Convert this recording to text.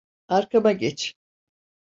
Arkama geç.